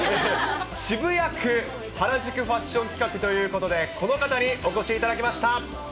渋谷区原宿ファッション企画ということで、この方にお越しいただきました。